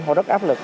họ rất áp lực